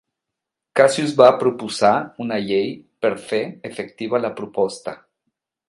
Cassius va proposar una llei per fer efectiva la proposta.